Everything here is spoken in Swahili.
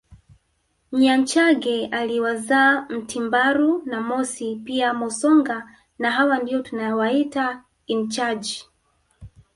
Nyanchage aliwazaa Mtimbaru na Mosi pia Mosonga na hawa ndio tunawaita inchage